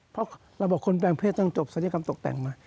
เพราะเราบอกคนแปลงเพศต้องจบศัลยกรรมตกแต่งมา